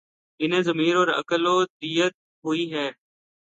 انہیں ضمیر اور عقل ودیعت ہوئی ہی